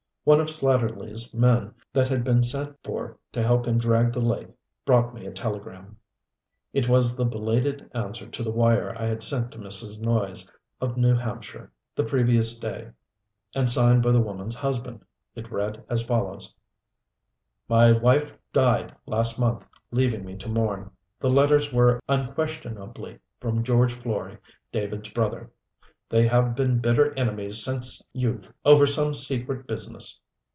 One of Slatterly's men that had been sent for to help him drag the lake brought me in a telegram. It was the belated answer to the wire I had sent to Mrs. Noyes, of New Hampshire the previous day, and signed by the woman's husband. It read as follows: MY WIFE DIED LAST MONTH LEAVING ME TO MOURN. THE LETTERS WERE UNQUESTIONABLY FROM GEORGE FLOREY DAVID'S BROTHER. THEY HAVE BEEN BITTER ENEMIES SINCE YOUTH OVER SOME SECRET BUSINESS.